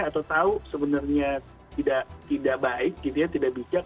atau tahu sebenarnya tidak baik gitu ya tidak bijak